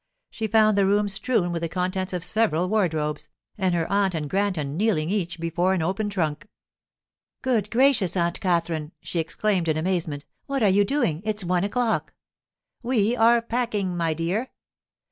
She found the room strewn with the contents of several wardrobes, and her aunt and Granton kneeling each before an open trunk. 'Good gracious, Aunt Katherine!' she exclaimed in amazement. 'What are you doing? It's one o'clock.' 'We are packing, my dear.